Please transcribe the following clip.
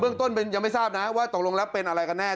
เรื่องต้นยังไม่ทราบนะว่าตกลงแล้วเป็นอะไรกันแน่